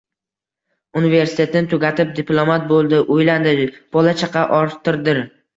Universitetni tugatib, diplomat bo`ldi, uylandi, bola-chaqa orttirdi